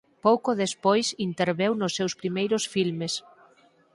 Pouco despois interveu nos seus primeiros filmes.